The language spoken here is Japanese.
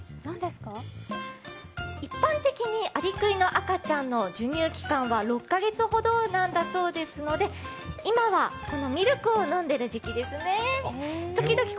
一般的にアリクイの赤ちゃんの授乳期間は６カ月ほどだそうですので今はミルクを飲んでる時期ですね。